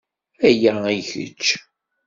Aya i kečč.